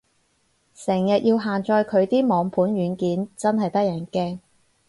成日要下載佢啲網盤軟件，真係得人驚